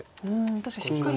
確かにしっかり。